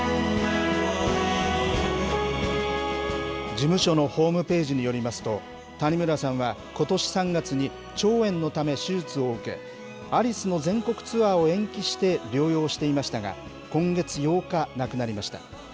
事務所のホームページによりますと、谷村さんはことし３月に腸炎のため手術を受け、アリスの全国ツアーを延期して療養していましたが、今月８日、亡くなりました。